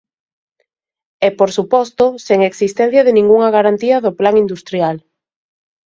E, por suposto, sen existencia de ningunha garantía no Plan industrial.